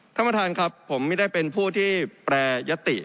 ท่านประธานครับผมไม่ได้เป็นผู้ที่แปรยติ